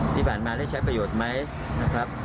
ที่ผ่านมาได้ใช้ประโยชน์ไหมนะครับ